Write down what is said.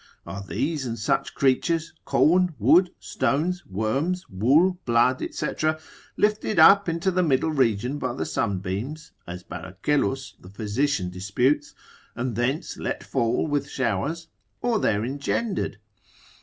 Are these and such creatures, corn, wood, stones, worms, wool, blood, &c. lifted up into the middle region by the sunbeams, as Baracellus the physician disputes, and thence let fall with showers, or there engendered?